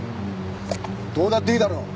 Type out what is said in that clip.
どうだっていいだろ。